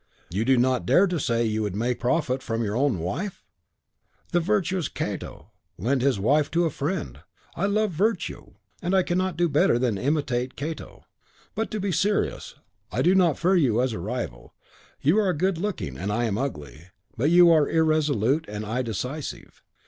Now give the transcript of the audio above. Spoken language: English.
"You do not dare to say you would make profit from your own wife?" "The virtuous Cato lent his wife to a friend. I love virtue, and I cannot do better than imitate Cato. But to be serious, I do not fear you as a rival. You are good looking, and I am ugly. But you are irresolute, and I decisive.